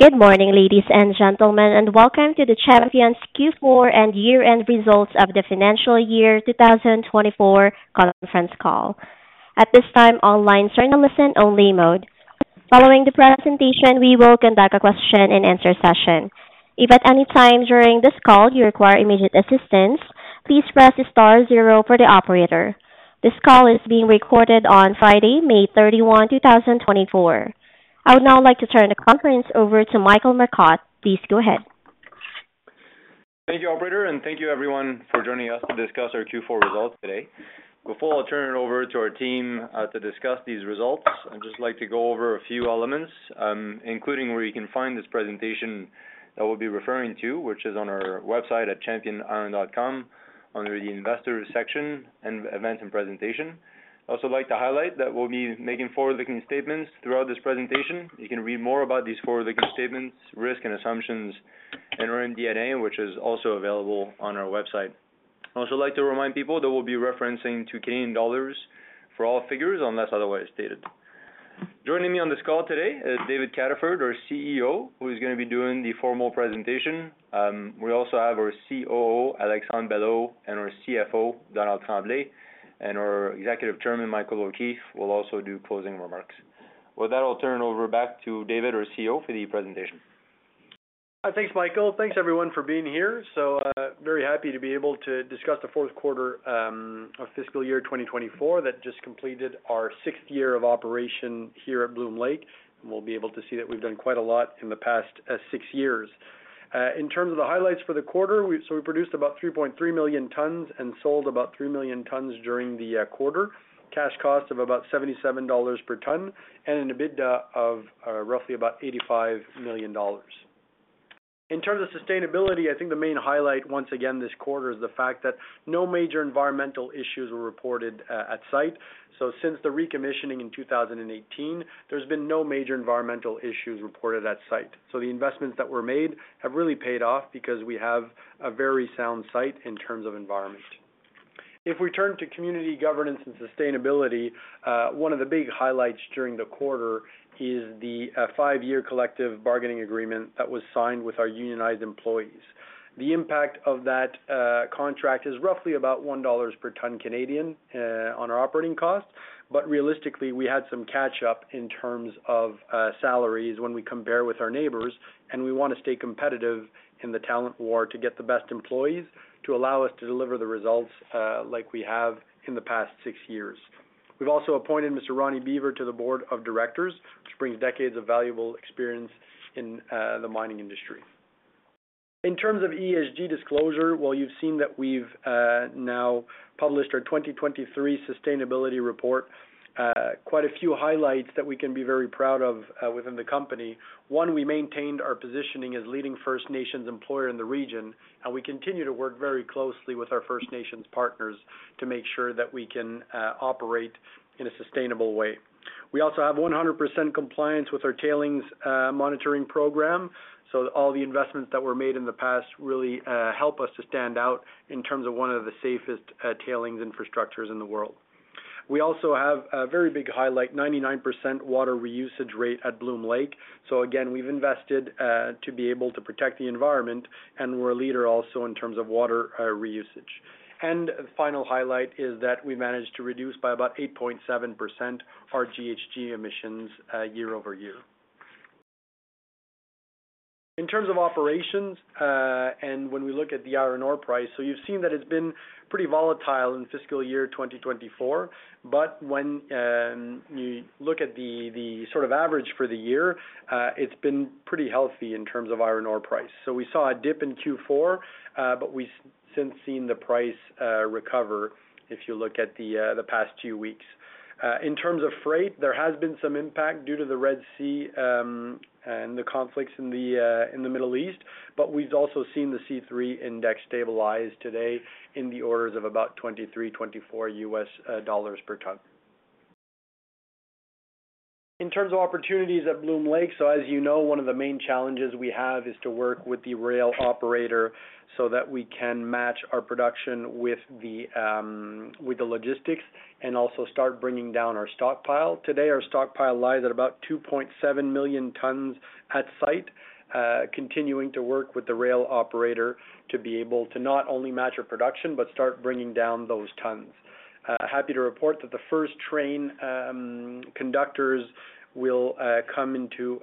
Good morning, ladies and gentlemen, and welcome to the Champion's Q4 and year-end results of the financial year 2024 conference call. At this time, all lines are in listen-only mode. Following the presentation, we will conduct a question-and-answer session. If at any time during this call you require immediate assistance, please press the star zero for the operator. This call is being recorded on Friday, May 31, 2024. I would now like to turn the conference over to Michael Marcotte. Please go ahead. Thank you, operator, and thank you everyone for joining us to discuss our Q4 results today. Before I turn it over to our team to discuss these results, I'd just like to go over a few elements, including where you can find this presentation that we'll be referring to, which is on our website at championiron.com, under the Investors section and Events and Presentations. I'd also like to highlight that we'll be making forward-looking statements throughout this presentation. You can read more about these forward-looking statements, risk and assumptions in our MD&A, which is also available on our website. I'd also like to remind people that we'll be referencing to CAD for all figures, unless otherwise stated. Joining me on this call today is David Cataford, our CEO, who is going to be doing the formal presentation. We also have our COO, Alexandre Belleau, and our CFO, Donald Tremblay, and our Executive Chairman, Michael O'Keeffe, will also do closing remarks. With that, I'll turn it over back to David, our CEO, for the presentation. Thanks, Michael. Thanks, everyone, for being here. Very happy to be able to discuss the fourth quarter of fiscal year 2024, that just completed our sixth year of operation here at Bloom Lake. We'll be able to see that we've done quite a lot in the past six years. In terms of the highlights for the quarter, we, so we produced about 3.3 million tons and sold about 3 million tons during the quarter. Cash cost of about 77 dollars per ton and an EBITDA of roughly about 85 million dollars. In terms of sustainability, I think the main highlight, once again, this quarter, is the fact that no major environmental issues were reported at site. So since the recommissioning in 2018, there's been no major environmental issues reported at site. So the investments that were made have really paid off because we have a very sound site in terms of environment. If we turn to community governance and sustainability, one of the big highlights during the quarter is the five-year Collective Bargaining Agreement that was signed with our unionized employees. The impact of that contract is roughly about 1 dollars per ton on our operating costs. But realistically, we had some catch up in terms of salaries when we compare with our neighbors, and we want to stay competitive in the talent war to get the best employees to allow us to deliver the results like we have in the past six years. We've also appointed Mr. Ronnie Beevor to the board of directors, which brings decades of valuable experience in the mining industry. In terms of ESG disclosure, well, you've seen that we've now published our 2023 sustainability report. Quite a few highlights that we can be very proud of within the company. One, we maintained our positioning as leading First Nations employer in the region, and we continue to work very closely with our First Nations partners to make sure that we can operate in a sustainable way. We also have 100% compliance with our tailings monitoring program. So all the investments that were made in the past really help us to stand out in terms of one of the safest tailings infrastructures in the world. We also have a very big highlight, 99% water reusage rate at Bloom Lake. So again, we've invested to be able to protect the environment, and we're a leader also in terms of water reusage. And final highlight is that we managed to reduce by about 8.7% our GHG emissions year-over-year. In terms of operations, and when we look at the iron ore price, so you've seen that it's been pretty volatile in fiscal year 2024, but when you look at the sort of average for the year, it's been pretty healthy in terms of iron ore price. So we saw a dip in Q4, but we've since seen the price recover, if you look at the past few weeks. In terms of freight, there has been some impact due to the Red Sea, and the conflicts in the Middle East, but we've also seen the C3 Index stabilize today in the orders of about $23-24 per ton. In terms of opportunities at Bloom Lake, so as you know, one of the main challenges we have is to work with the rail operator so that we can match our production with the logistics and also start bringing down our stockpile. Today, our stockpile lies at about 2.7 million tons at site, continuing to work with the rail operator to be able to not only match our production, but start bringing down those tons. Happy to report that the first train conductors will come into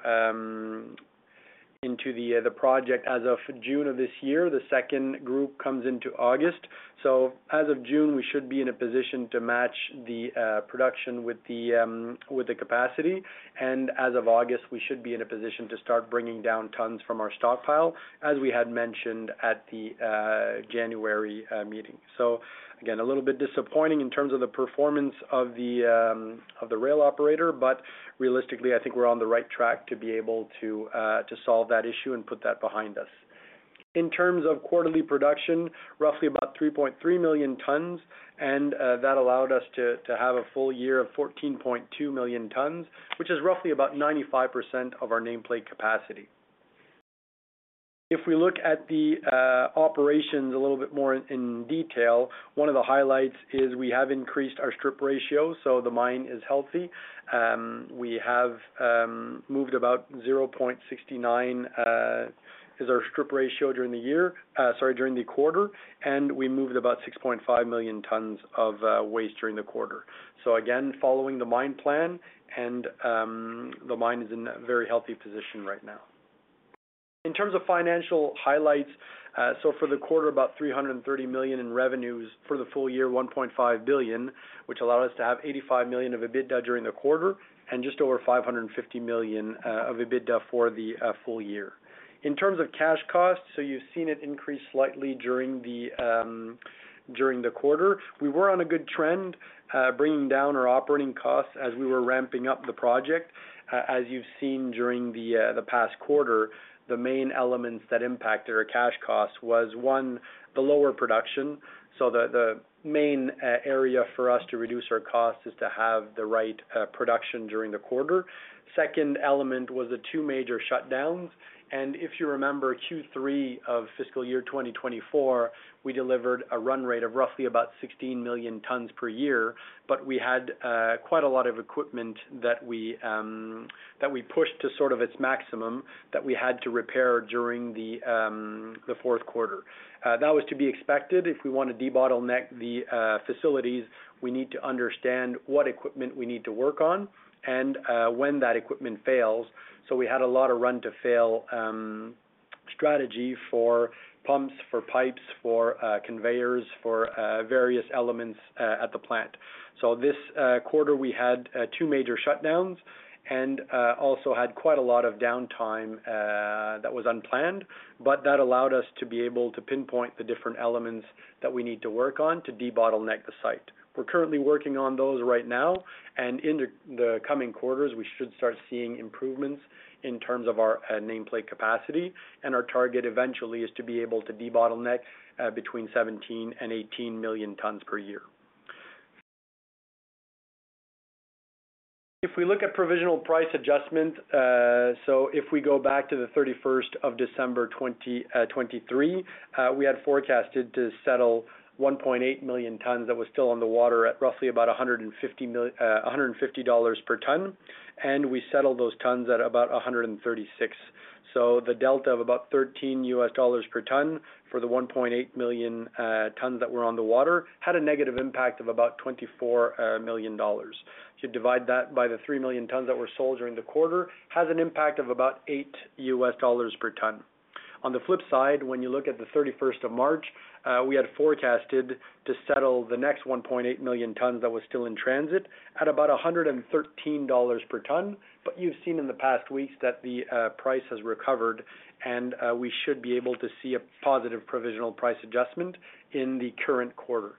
the project as of June of this year. The second group comes into August. So as of June, we should be in a position to match the production with the capacity. And as of August, we should be in a position to start bringing down tons from our stockpile, as we had mentioned at the January meeting. So again, a little bit disappointing in terms of the performance of the rail operator, but realistically, I think we're on the right track to be able to solve that issue and put that behind us. In terms of quarterly production, roughly about 3.3 million tons, and that allowed us to have a full year of 14.2 million tons, which is roughly about 95% of our nameplate capacity. If we look at the operations a little bit more in detail, one of the highlights is we have increased our strip ratio, so the mine is healthy. We have moved about 0.69 as our strip ratio during the year, sorry, during the quarter, and we moved about 6.5 million tons of waste during the quarter. So again, following the mine plan, and the mine is in a very healthy position right now. In terms of financial highlights, so for the quarter, about 330 million in revenues. For the full year, 1.5 billion, which allowed us to have 85 million of EBITDA during the quarter, and just over 550 million of EBITDA for the full year. In terms of cash costs, so you've seen it increase slightly during the quarter. We were on a good trend, bringing down our operating costs as we were ramping up the project. As you've seen during the past quarter, the main elements that impacted our cash costs was one, the lower production, so the main area for us to reduce our costs is to have the right production during the quarter. Second element was the two major shutdowns, and if you remember Q3 of fiscal year 2024, we delivered a run rate of roughly about 16 million tons per year, but we had quite a lot of equipment that we that we pushed to sort of its maximum, that we had to repair during the the fourth quarter. That was to be expected. If we want to debottleneck the facilities, we need to understand what equipment we need to work on and when that equipment fails. So we had a lot of run to fail strategy for pumps, for pipes, for conveyors, for various elements at the plant. So this quarter, we had two major shutdowns and also had quite a lot of downtime that was unplanned, but that allowed us to be able to pinpoint the different elements that we need to work on to debottleneck the site. We're currently working on those right now, and in the coming quarters, we should start seeing improvements in terms of our nameplate capacity, and our target eventually is to be able to debottleneck between 17 and 18 million tons per year. If we look at provisional price adjustment, so if we go back to the 31st of December 2023, we had forecasted to settle 1.8 million tons that was still on the water at roughly about 150 dollars per ton, and we settled those tons at about 136. So the delta of about US$13 per ton for the 1.8 million tons that were on the water, had a negative impact of about 24 million dollars. To divide that by the 3 million tons that were sold during the quarter, has an impact of about US$8 per ton. On the flip side, when you look at the March 31, we had forecasted to settle the next 1.8 million tons that was still in transit at about 113 dollars per ton. But you've seen in the past weeks that the price has recovered, and we should be able to see a positive provisional price adjustment in the current quarter.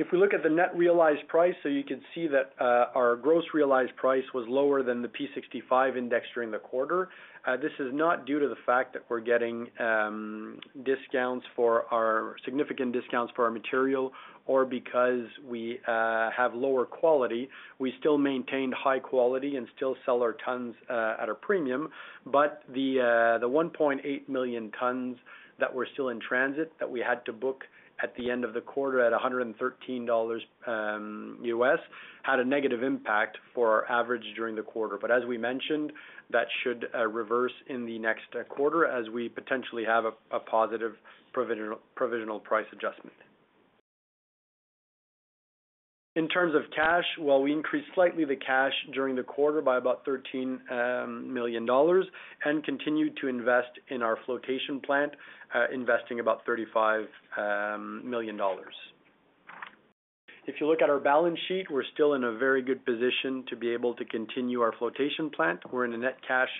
If we look at the net realized price, so you can see that our gross realized price was lower than the P65 Index during the quarter. This is not due to the fact that we're getting significant discounts for our material or because we have lower quality. We still maintained high quality and still sell our tons at a premium, but the 1.8 million tons that were still in transit, that we had to book at the end of the quarter at $113 US, had a negative impact for our average during the quarter. But as we mentioned, that should reverse in the next quarter as we potentially have a positive provisional price adjustment. In terms of cash, well, we increased slightly the cash during the quarter by about 13 million dollars and continued to invest in our flotation plant, investing about 35 million dollars. If you look at our balance sheet, we're still in a very good position to be able to continue our flotation plant. We're in a net cash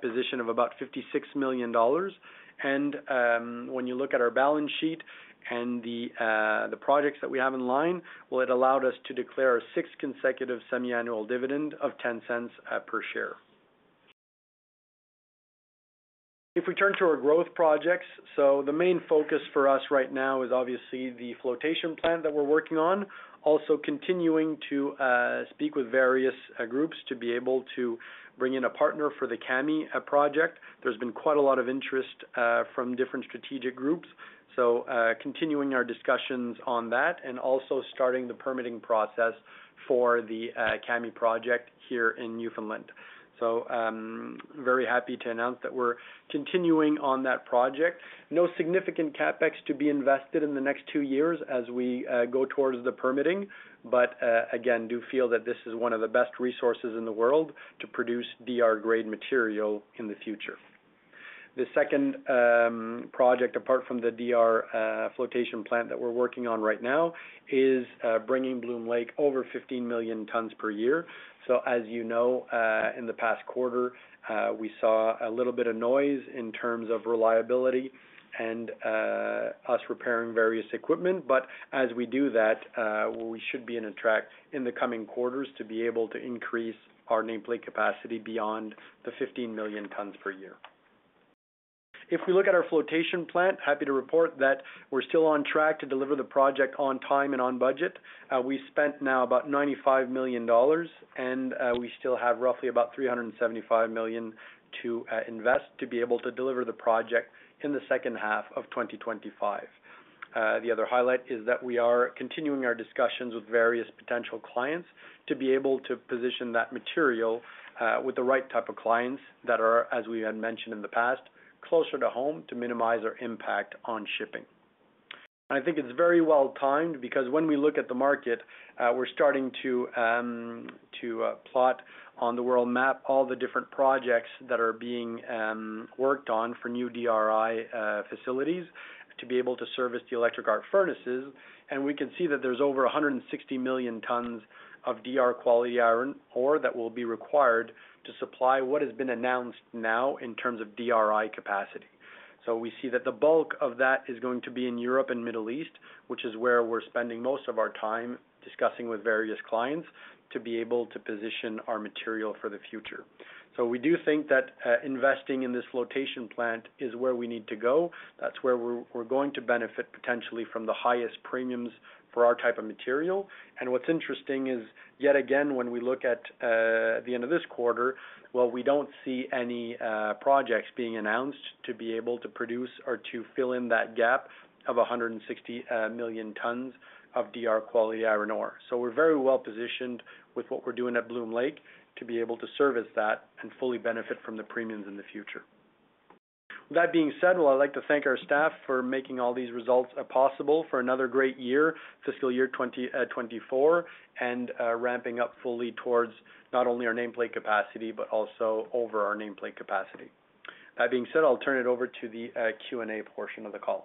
position of about 56 million dollars, and, when you look at our balance sheet and the projects that we have in line, well, it allowed us to declare a sixth consecutive semiannual dividend of 0.10 per share. If we turn to our growth projects, so the main focus for us right now is obviously the flotation plant that we're working on. Also, continuing to speak with various groups to be able to bring in a partner for the Kami Project. There's been quite a lot of interest from different strategic groups, so, continuing our discussions on that and also starting the permitting process for the Kami Project here in Newfoundland. So, very happy to announce that we're continuing on that project. No significant CapEx to be invested in the next two years as we go towards the permitting, but again, do feel that this is one of the best resources in the world to produce DR grade material in the future. The second project, apart from the DR flotation plant that we're working on right now, is bringing Bloom Lake over 15 million tons per year. So as you know, in the past quarter, we saw a little bit of noise in terms of reliability and us repairing various equipment. But as we do that, we should be on track in the coming quarters to be able to increase our nameplate capacity beyond the 15 million tons per year. If we look at our flotation plant, happy to report that we're still on track to deliver the project on time and on budget. We spent now about 95 million dollars, and we still have roughly about 375 million to invest to be able to deliver the project in the second half of 2025. The other highlight is that we are continuing our discussions with various potential clients to be able to position that material with the right type of clients that are, as we had mentioned in the past, closer to home, to minimize our impact on shipping. I think it's very well timed because when we look at the market, we're starting to plot on the world map all the different projects that are being worked on for new DRI facilities, to be able to service the electric arc furnaces. We can see that there's over 160 million tons of DR quality iron ore that will be required to supply what has been announced now in terms of DRI capacity. We see that the bulk of that is going to be in Europe and Middle East, which is where we're spending most of our time discussing with various clients, to be able to position our material for the future. We do think that investing in this flotation plant is where we need to go. That's where we're going to benefit potentially from the highest premiums for our type of material. And what's interesting is, yet again, when we look at the end of this quarter, while we don't see any projects being announced to be able to produce or to fill in that gap of 160 million tons of DR quality iron ore. So we're very well positioned with what we're doing at Bloom Lake, to be able to service that and fully benefit from the premiums in the future. With that being said, well, I'd like to thank our staff for making all these results possible for another great year, fiscal year 2024, and ramping up fully towards not only our nameplate capacity, but also over our nameplate capacity. That being said, I'll turn it over to the Q&A portion of the call.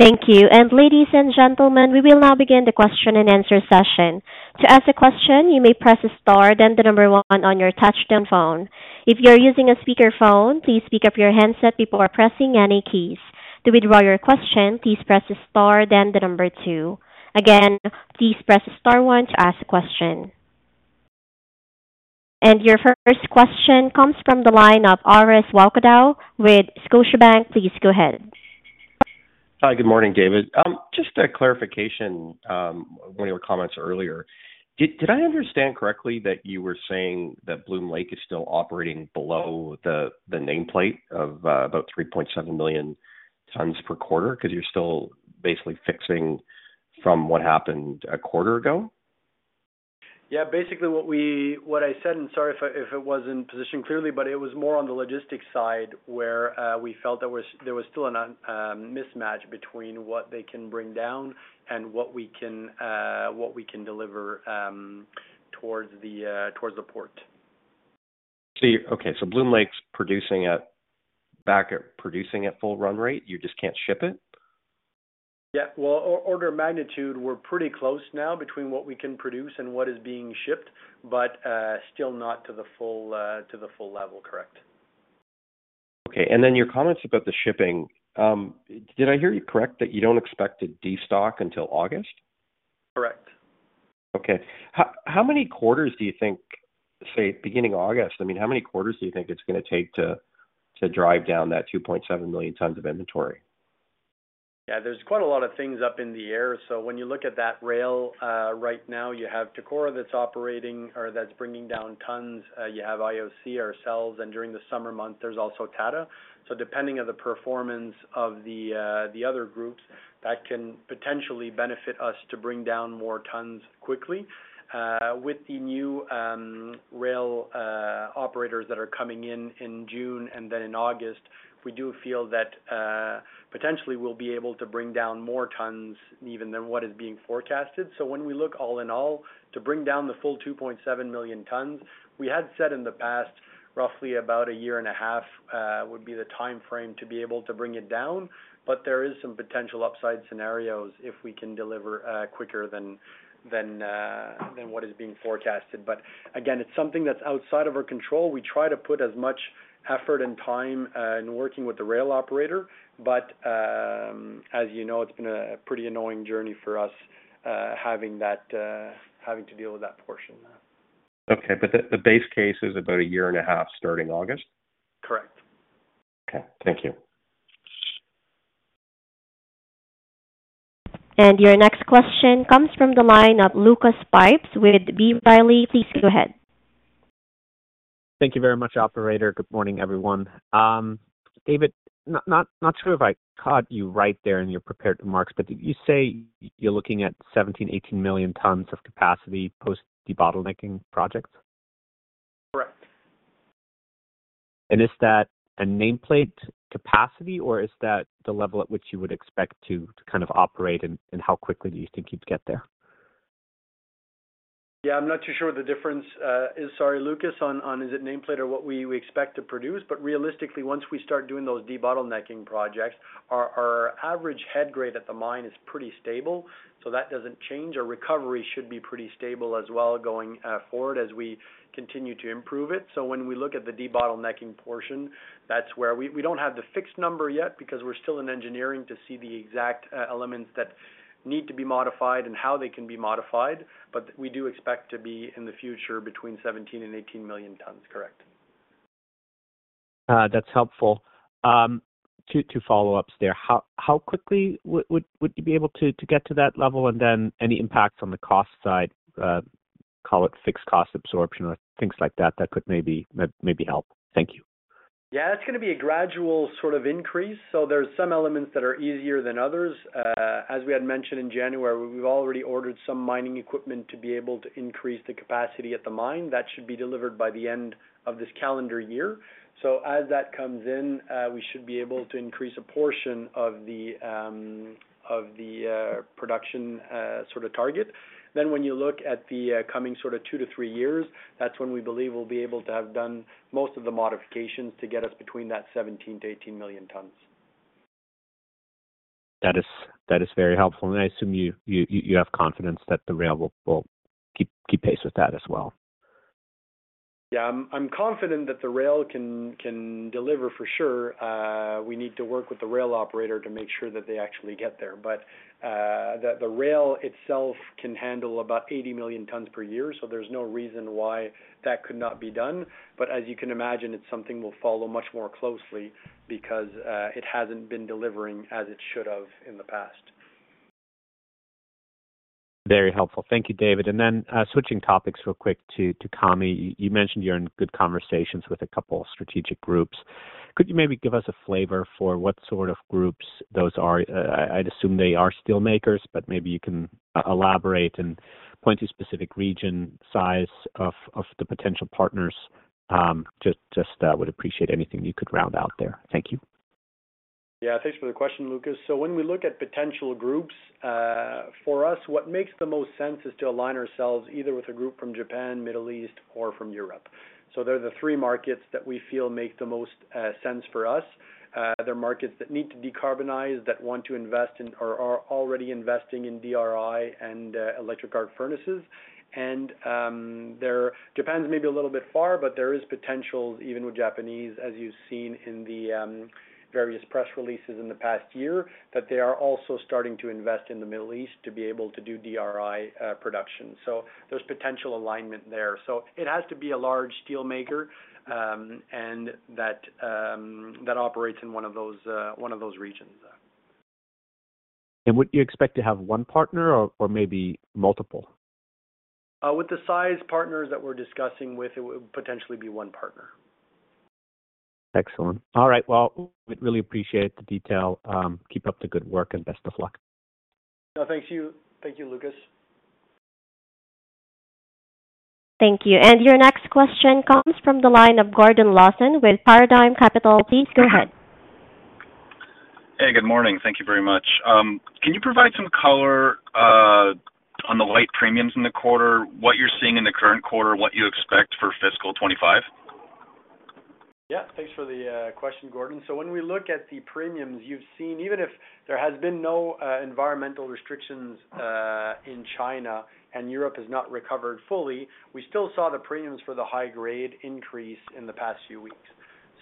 Thank you. And ladies and gentlemen, we will now begin the question and answer session. To ask a question, you may press star, then the number one on your touchtone phone. If you're using a speakerphone, please pick up your handset before pressing any keys. To withdraw your question, please press star, then the number two. Again, please press star one to ask a question. And your first question comes from the line of Orest Wowkodaw with Scotiabank. Please go ahead. Hi, good morning, David. Just a clarification, one of your comments earlier. Did I understand correctly that you were saying that Bloom Lake is still operating below the nameplate of about 3.7 million tons per quarter, because you're still basically fixing from what happened a quarter ago? Yeah, basically, what we, what I said, and sorry if I, if it wasn't positioned clearly, but it was more on the logistics side, where we felt there was, there was still an mismatch between what they can bring down and what we can, what we can deliver, towards the, towards the port. Okay, so Bloom Lake's back at producing at full run rate, you just can't ship it? Yeah, well, order of magnitude, we're pretty close now between what we can produce and what is being shipped, but still not to the full, to the full level, correct. Okay. Your comments about the shipping. Did I hear you correct, that you don't expect to destock until August? Correct. Okay. How many quarters do you think, say, beginning August, I mean, how many quarters do you think it's going to take to drive down that 2.7 million tons of inventory? Yeah, there's quite a lot of things up in the air. So when you look at that rail, right now, you have Tacora that's operating or that's bringing down tons. You have IOC ourselves, and during the summer months, there's also Tata. So depending on the performance of the, the other groups, that can potentially benefit us to bring down more tons quickly. With the new, rail, operators that are coming in in June and then in August, we do feel that, potentially we'll be able to bring down more tons even than what is being forecasted. So when we look all in all, to bring down the full 2.7 million tons, we had said in the past, roughly about a year and a half, would be the timeframe to be able to bring it down. But there is some potential upside scenarios if we can deliver quicker than what is being forecasted. But again, it's something that's outside of our control. We try to put as much effort and time in working with the rail operator, but as you know, it's been a pretty annoying journey for us having to deal with that portion. Okay, but the base case is about a year and a half starting August? Correct. Okay, thank you. Your next question comes from the line of Lucas Pipes with B. Riley, please go ahead. Thank you very much, operator. Good morning, everyone. David, not sure if I caught you right there in your prepared remarks, but did you say you're looking at 17-18 million tons of capacity post debottlenecking projects? Correct. Is that a nameplate capacity, or is that the level at which you would expect to kind of operate, and how quickly do you think you'd get there? Yeah, I'm not too sure what the difference is, sorry, Lucas, on is it nameplate or what we expect to produce. But realistically, once we start doing those debottlenecking projects, our average head grade at the mine is pretty stable, so that doesn't change. Our recovery should be pretty stable as well, going forward as we continue to improve it. So when we look at the debottlenecking portion, that's where we don't have the fixed number yet because we're still in engineering to see the exact elements that need to be modified and how they can be modified, but we do expect to be, in the future, between 17 and 18 million tons, correct.... That's helpful. Two follow-ups there. How quickly would you be able to get to that level? And then any impacts on the cost side, call it fixed cost absorption or things like that, that could maybe help? Thank you. Yeah, it's going to be a gradual sort of increase, so there's some elements that are easier than others. As we had mentioned in January, we've already ordered some mining equipment to be able to increase the capacity at the mine. That should be delivered by the end of this calendar year. So as that comes in, we should be able to increase a portion of the production sort of target. Then when you look at the coming sort of 2-3 years, that's when we believe we'll be able to have done most of the modifications to get us between that 17-18 million tons. That is very helpful. And I assume you have confidence that the rail will keep pace with that as well? Yeah, I'm confident that the rail can deliver, for sure. We need to work with the rail operator to make sure that they actually get there. But the rail itself can handle about 80 million tons per year, so there's no reason why that could not be done. But as you can imagine, it's something we'll follow much more closely because it hasn't been delivering as it should have in the past. Very helpful. Thank you, David. And then, switching topics real quick to Kami. You mentioned you're in good conversations with a couple of strategic groups. Could you maybe give us a flavor for what sort of groups those are? I'd assume they are steel makers, but maybe you can elaborate and point to specific region, size of the potential partners. Just, would appreciate anything you could round out there. Thank you. Yeah, thanks for the question, Lucas. So when we look at potential groups, for us, what makes the most sense is to align ourselves either with a group from Japan, Middle East, or from Europe. So they're the three markets that we feel make the most sense for us. They're markets that need to decarbonize, that want to invest in or are already investing in DRI and electric arc furnaces. And Japan's maybe a little bit far, but there is potential, even with Japanese, as you've seen in the various press releases in the past year, that they are also starting to invest in the Middle East to be able to do DRI production. So there's potential alignment there. So it has to be a large steel maker, and that operates in one of those regions. Would you expect to have one partner or, or maybe multiple? With the size partners that we're discussing with, it would potentially be one partner. Excellent. All right, well, we really appreciate the detail. Keep up the good work and best of luck. No, thank you. Thank you, Lucas. Thank you. And your next question comes from the line of Gordon Lawson with Paradigm Capital. Please, go ahead. Hey, good morning. Thank you very much. Can you provide some color on the high premiums in the quarter? What you're seeing in the current quarter, what you expect for fiscal 2025? Yeah, thanks for the question, Gordon. So when we look at the premiums you've seen, even if there has been no environmental restrictions in China and Europe has not recovered fully, we still saw the premiums for the high grade increase in the past few weeks.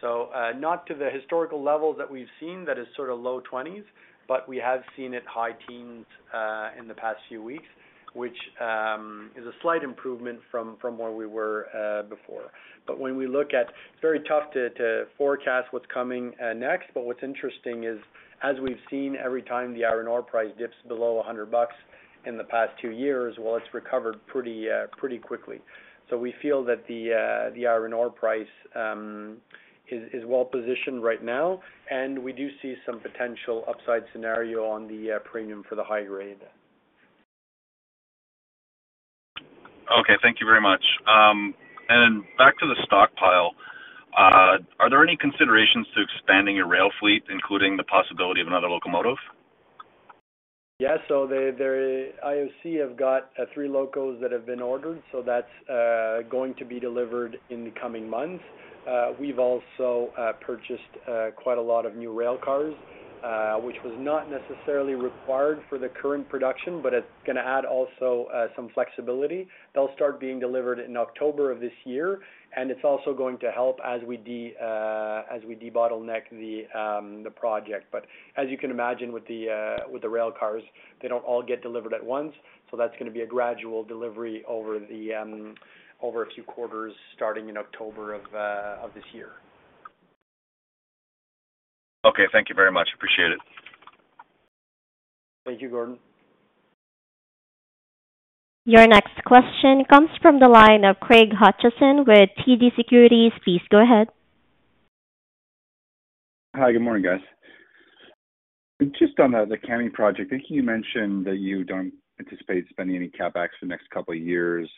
So, not to the historical levels that we've seen, that is sort of low twenties, but we have seen it high teens in the past few weeks, which is a slight improvement from where we were before. But when we look at it. It's very tough to forecast what's coming next. But what's interesting is, as we've seen, every time the iron ore price dips below $100 in the past two years, well, it's recovered pretty quickly. So we feel that the iron ore price is well positioned right now, and we do see some potential upside scenario on the premium for the high grade. Okay, thank you very much. And then back to the stockpile. Are there any considerations to expanding your rail fleet, including the possibility of another locomotive? Yeah. So the, the IOC have got, three locos that have been ordered, so that's going to be delivered in the coming months. We've also purchased quite a lot of new rail cars, which was not necessarily required for the current production, but it's going to add also some flexibility. They'll start being delivered in October of this year, and it's also going to help as we debottleneck the project. But as you can imagine, with the rail cars, they don't all get delivered at once, so that's going to be a gradual delivery over a few quarters, starting in October of this year. Okay. Thank you very much. Appreciate it. Thank you, Gordon. Your next question comes from the line of Craig Hutchison with TD Securities. Please go ahead. Hi, good morning, guys. Just on the Kami Project, I think you mentioned that you don't anticipate spending any CapEx for the next couple of years.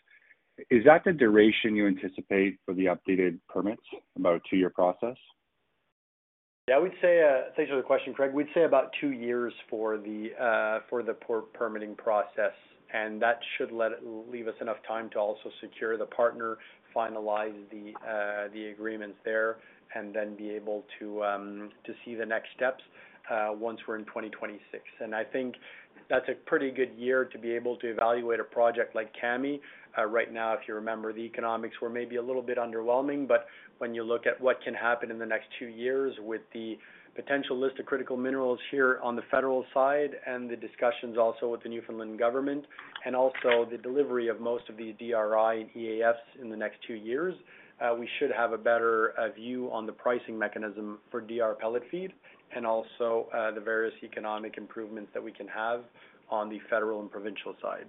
Is that the duration you anticipate for the updated permits, about a two-year process? Yeah, I would say, thanks for the question, Craig. We'd say about two years for the prior permitting process, and that should give us enough time to also secure the partner, finalize the agreements there, and then be able to see the next steps once we're in 2026. And I think that's a pretty good year to be able to evaluate a project like Kami. Right now, if you remember, the economics were maybe a little bit underwhelming, but when you look at what can happen in the next two years with the potential list of critical minerals here on the federal side and the discussions also with the Newfoundland government, and also the delivery of most of the DRI and EAFs in the next two years, we should have a better view on the pricing mechanism for DR pellet feed and also the various economic improvements that we can have on the federal and provincial side.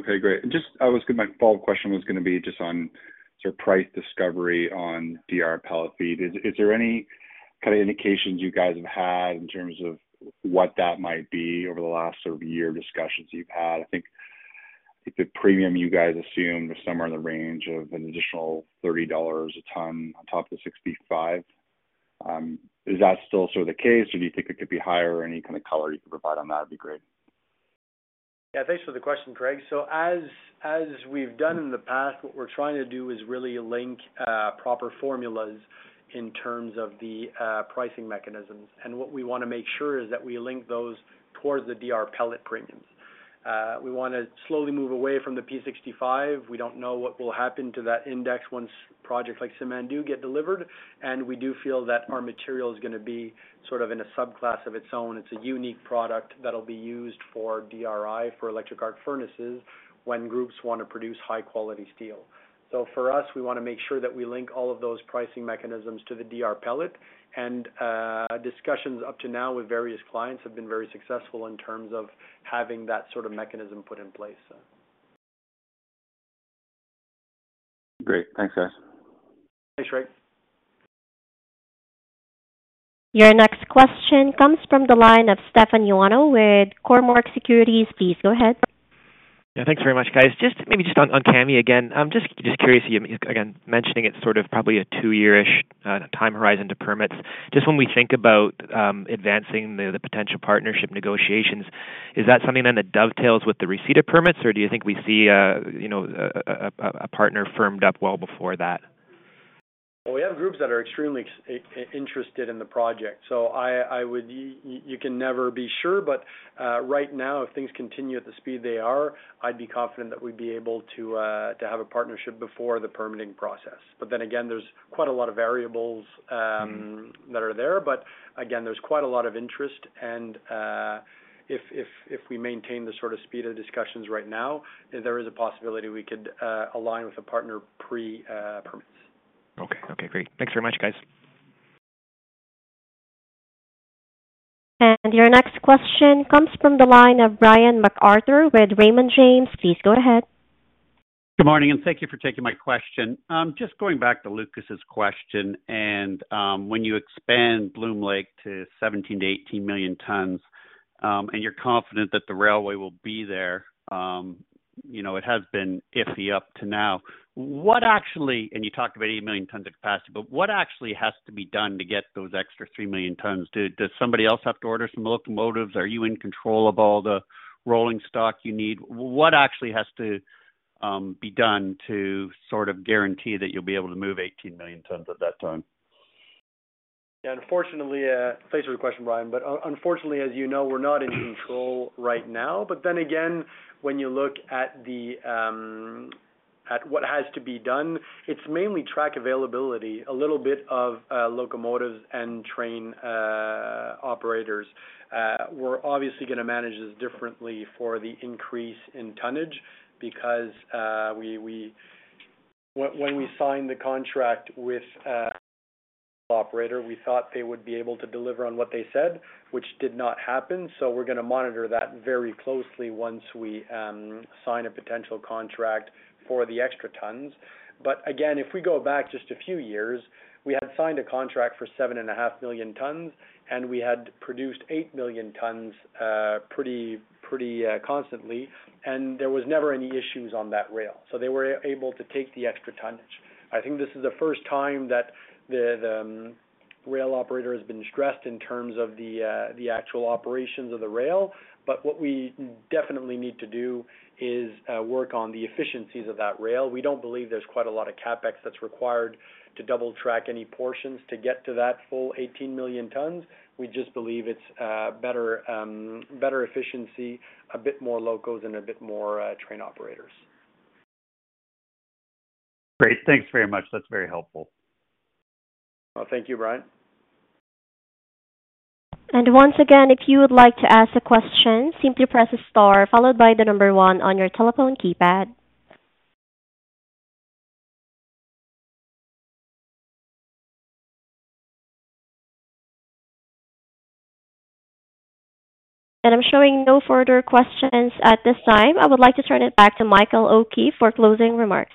Okay, great. Just, I was, my follow-up question was going to be just on sort of price discovery on DR pellet feed. Is, is there any kind of indications you guys have had in terms of what that might be over the last sort of year discussions you've had? I think the premium you guys assumed was somewhere in the range of an additional 30 dollars a ton on top of the 65. Is that still sort of the case, or do you think it could be higher? Any kind of color you can provide on that would be great. Yeah, thanks for the question, Craig. So as, as we've done in the past, what we're trying to do is really link proper formulas in terms of the pricing mechanisms. And what we want to make sure is that we link those towards the DR pellet premiums. We want to slowly move away from the P65. We don't know what will happen to that index once projects like Simandou do get delivered, and we do feel that our material is going to be sort of in a subclass of its own. It's a unique product that'll be used for DRI, for electric arc furnaces, when groups want to produce high-quality steel. So for us, we want to make sure that we link all of those pricing mechanisms to the DR pellet. Discussions up to now with various clients have been very successful in terms of having that sort of mechanism put in place. Great. Thanks, guys. Thanks, Craig. Your next question comes from the line of Stefan Ioannou with Cormark Securities. Please go ahead. Yeah, thanks very much, guys. Just maybe on Kami again, just curious, again, mentioning it's sort of probably a two-year-ish time horizon to permits. Just when we think about advancing the potential partnership negotiations, is that something then that dovetails with the receipt of permits, or do you think we see a, you know, a partner firmed up well before that? Well, we have groups that are extremely interested in the project, so I would... You can never be sure. But, right now, if things continue at the speed they are, I'd be confident that we'd be able to have a partnership before the permitting process. But then again, there's quite a lot of variables that are there. But again, there's quite a lot of interest, and, if we maintain the sort of speed of discussions right now, there is a possibility we could align with a partner pre, permits. Okay. Okay, great. Thanks very much, guys. Your next question comes from the line of Brian MacArthur with Raymond James. Please go ahead. Good morning, and thank you for taking my question. Just going back to Lucas's question, and when you expand Bloom Lake to 17-18 million tons, and you're confident that the railway will be there, you know, it has been iffy up to now. What actually, and you talked about 8 million tons of capacity, but what actually has to be done to get those extra 3 million tons? Does somebody else have to order some locomotives? Are you in control of all the rolling stock you need? What actually has to be done to sort of guarantee that you'll be able to move 18 million tons at that time? Yeah, unfortunately, thanks for the question, Brian, but unfortunately, as you know, we're not in control right now. But then again, when you look at what has to be done, it's mainly track availability, a little bit of locomotives and train operators. We're obviously going to manage this differently for the increase in tonnage because, when we signed the contract with operator, we thought they would be able to deliver on what they said, which did not happen. So we're going to monitor that very closely once we sign a potential contract for the extra tons. But again, if we go back just a few years, we had signed a contract for 7.5 million tons, and we had produced 8 million tons, pretty constantly, and there was never any issues on that rail, so they were able to take the extra tonnage. I think this is the first time that the rail operator has been stressed in terms of the actual operations of the rail. But what we definitely need to do is work on the efficiencies of that rail. We don't believe there's quite a lot of CapEx that's required to double track any portions to get to that full 18 million tons. We just believe it's better efficiency, a bit more locos and a bit more train operators. Great. Thanks very much. That's very helpful. Well, thank you, Brian. Once again, if you would like to ask a question, simply press Star, followed by the number one on your telephone keypad. I'm showing no further questions at this time. I would like to turn it back to Michael O'Keeffe for closing remarks.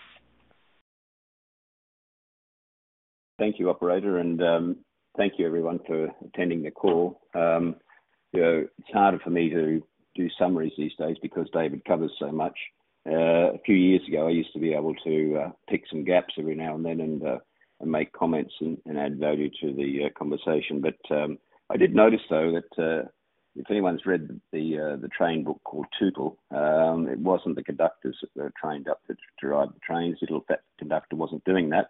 Thank you, operator, and thank you everyone for attending the call. You know, it's harder for me to do summaries these days because David covers so much. A few years ago, I used to be able to pick some gaps every now and then and and make comments and and add value to the conversation. But I did notice, though, that if anyone's read the train book called Tootle, it wasn't the conductors that were trained up to to ride the trains. It looked that conductor wasn't doing that,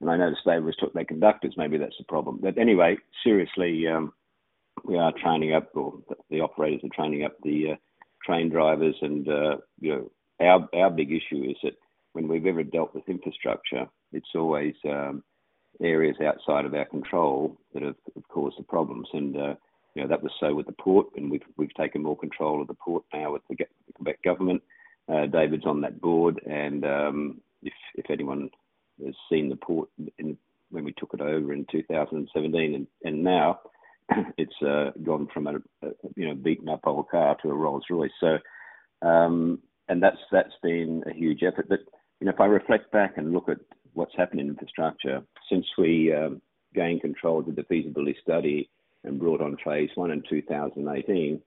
and I noticed they always took their conductors. Maybe that's the problem. But anyway, seriously... We are training up, or the operators are training up the train drivers, and you know, our big issue is that when we've ever dealt with infrastructure, it's always areas outside of our control that have caused the problems. And you know, that was so with the port, and we've taken more control of the port now with the Quebec government. David's on that board, and if anyone has seen the port when we took it over in 2017 and now, it's gone from a you know, beaten up old car to a Rolls-Royce. So and that's been a huge effort. But you know, if I reflect back and look at what's happened in infrastructure since we gained control of the feasibility study and brought on phase one in 2018,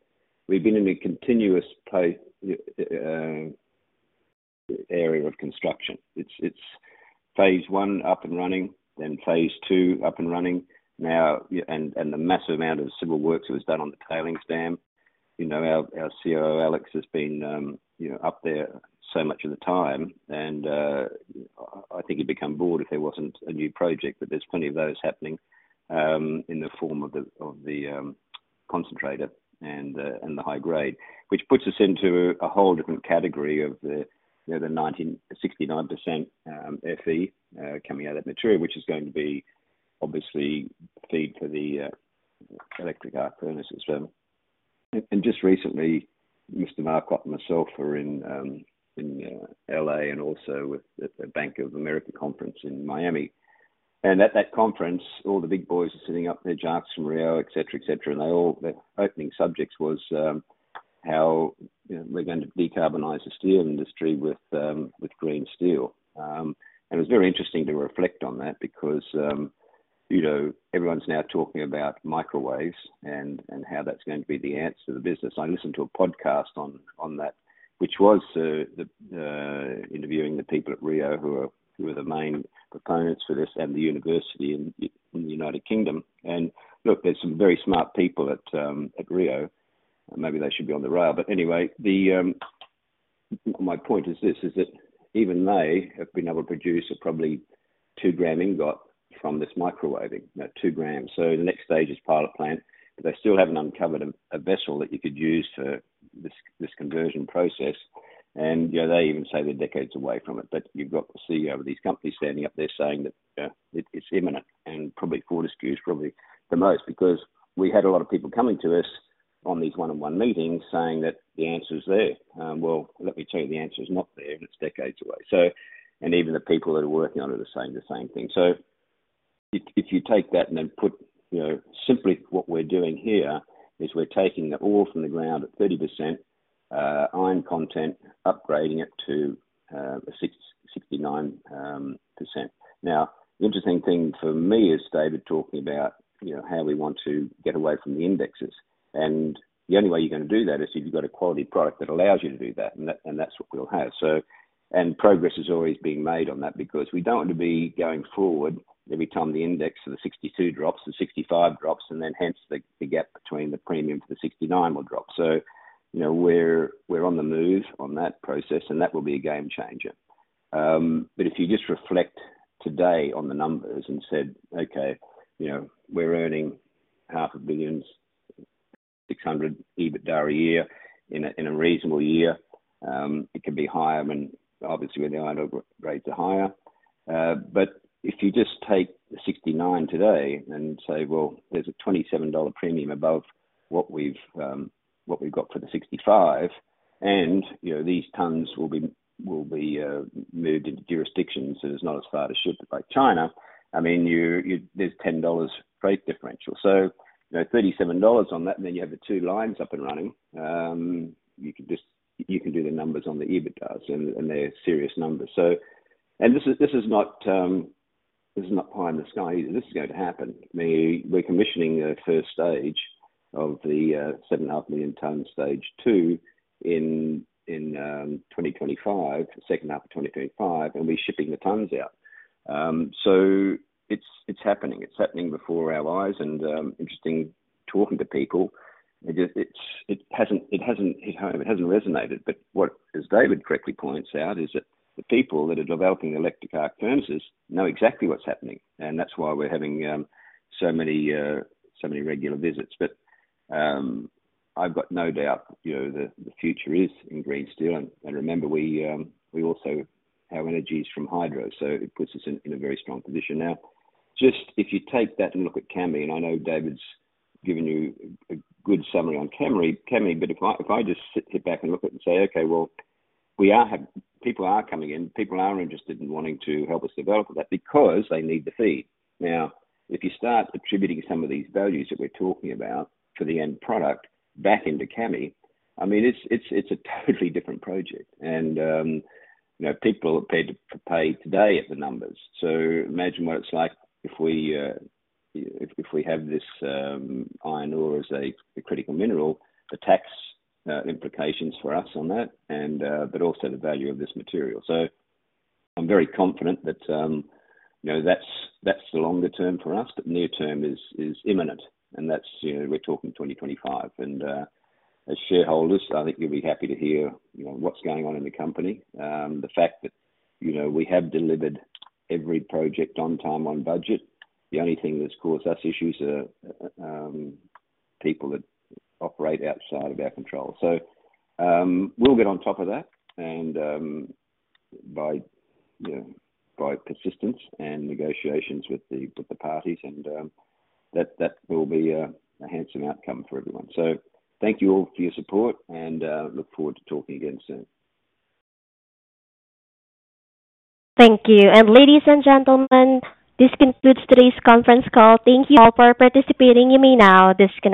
we've been in a continuous area of construction. It's phase one, up and running, then phase two, up and running. Now, and the massive amount of civil works that was done on the tailings dam, you know, our COO, Alex, has been up there so much of the time, and I think he'd become bored if there wasn't a new project, but there's plenty of those happening in the form of the concentrator and the high grade. Which puts us into a whole different category of the, you know, the 69%, Fe, coming out of the material, which is going to be obviously feed for the electric arc furnaces. So, and just recently, Mr. Marolf and myself were in L.A. and also at the Bank of America conference in Miami. And at that conference, all the big boys are sitting up there, Jakob from Rio Tinto, et cetera, et cetera, and they all, their opening subjects was how, you know, we're going to decarbonize the steel industry with green steel. And it was very interesting to reflect on that because, you know, everyone's now talking about microwaves and how that's going to be the answer to the business. I listened to a podcast on that, which was interviewing the people at Rio who are the main proponents for this and the university in the United Kingdom. And look, there's some very smart people at Rio, and maybe they should be on the rail. But anyway, my point is this, is that even they have been able to produce a probably 2-gram ingot from this microwaving, now, 2 grams. So the next stage is pilot plant, but they still haven't uncovered a vessel that you could use for this conversion process. And, you know, they even say they're decades away from it, but you've got the CEO of these companies standing up there saying that it's imminent. Probably Fortescue is probably the most, because we had a lot of people coming to us on these one-on-one meetings saying that the answer is there. Well, let me tell you, the answer is not there, and it's decades away. And even the people that are working on it are saying the same thing. So if, if you take that and then put, you know, simply what we're doing here is we're taking the ore from the ground at 30% iron content, upgrading it to 69%. Now, the interesting thing for me is David talking about, you know, how we want to get away from the indexes, and the only way you're gonna do that is if you've got a quality product that allows you to do that, and that, and that's what we'll have. So, progress is always being made on that, because we don't want to be going forward every time the index of the 62 drops, the 65 drops, and then hence, the gap between the premium for the 69 will drop. So, you know, we're on the move on that process, and that will be a game changer. But if you just reflect today on the numbers and said, "Okay, you know, we're earning 500 million-600 million EBITDA a year in a reasonable year." It can be higher than obviously when the iron ore grades are higher. But if you just take the 69 today and say, "Well, there's a 27 dollar premium above what we've, what we've got for the 65," and, you know, these tonnes will be, will be, moved into jurisdictions that is not as far to ship it by China, I mean-- there's 10 dollars freight differential. So, you know, 37 dollars on that, and then you have the two lines up and running, you can just, you can do the numbers on the EBITDAs, and, and they're serious numbers. So, and this is, this is not, this is not pie in the sky either. This is going to happen. Me recommissioning the first stage of the, 7.5 million tonne stage two in, in, 2025, the second half of 2025, and we're shipping the tonnes out. So it's happening. It's happening before our eyes, and interesting talking to people, it just, it hasn't hit home, it hasn't resonated. But what, as David correctly points out, is that the people that are developing electric arc furnaces know exactly what's happening, and that's why we're having so many regular visits. But, I've got no doubt, you know, that the future is in green steel. And remember, we also have energies from hydro, so it puts us in a very strong position. Now, just if you take that and look at Kami, and I know David's given you a good summary on Kami, but if I just sit back and look at it and say, "Okay, well, we have people are coming in. People are interested in wanting to help us develop that because they need the feed. Now, if you start attributing some of these values that we're talking about for the end product back into Kami, I mean, it's a totally different project. And, you know, people are paid to pay today at the numbers. So imagine what it's like if we, if we have this, iron ore as a critical mineral, the tax implications for us on that and, but also the value of this material. So I'm very confident that, you know, that's the longer term for us, but near term is imminent, and that's, you know, we're talking 2025. And, as shareholders, I think you'll be happy to hear, you know, what's going on in the company. The fact that, you know, we have delivered every project on time, on budget. The only thing that's caused us issues are people that operate outside of our control. So, we'll get on top of that, and, by, you know, by persistence and negotiations with the, with the parties, and, that, that will be a, a handsome outcome for everyone. So thank you all for your support, and, look forward to talking again soon. Thank you. Ladies and gentlemen, this concludes today's conference call. Thank you all for participating. You may now disconnect.